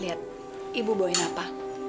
lihat ibu bawa apa